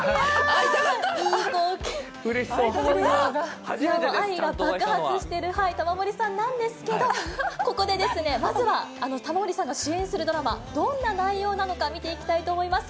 あいさつしている玉森さんなんですけど、ここでですね、まずは玉森さんが主演するドラマ、どんな内容なのか見ていきたいと思います。